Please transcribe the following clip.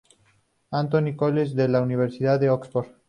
Antony´s College de la Universidad de Oxford.